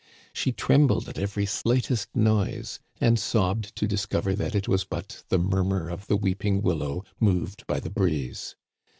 She trembled at every slightest noise, and sobbed to discover that it was but the murmur of the weeping willow moved by the breeze.